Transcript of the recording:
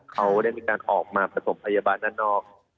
เขาได้มีการออกมาประถมพยาบาลด้านนอก